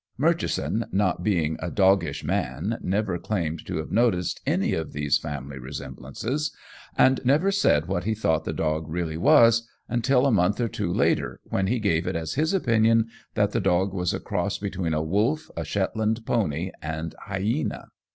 [Illustration: 26] Murchison, not being a doggish man, never claimed to have noticed any of these family resemblances, and never said what he thought the dog really was until a month or two later, when he gave it as his opinion that the dog was a cross between a wolf, a Shetland pony, and hyena.